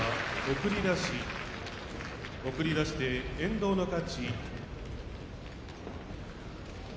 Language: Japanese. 送り出して遠藤の勝ち。